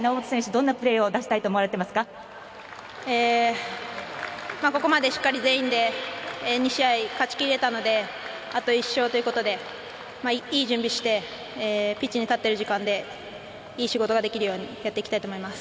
どんなプレーを出したいとここまでしっかり全員で２試合、勝ちきれたのであと１勝ということでいい準備してピッチに立っている時間でいい仕事ができるようにやっていきたいと思います。